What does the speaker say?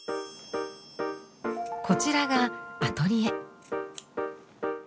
こちらがアトリエ。